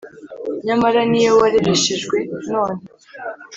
nyamara niyo warereshejwe none